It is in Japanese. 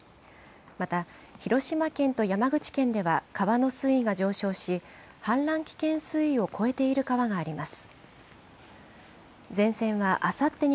また、広島県と山口県では川の水位が上昇し、氾濫危険水位を超えている川があります。